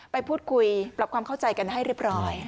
ไปพูดคุยปรับความเข้าใจกันให้เรียบร้อย